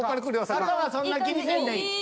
坂はそんな気にせんでいい。